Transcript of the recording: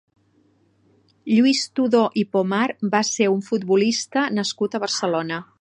Lluís Tudó i Pomar va ser un futbolista nascut a Barcelona.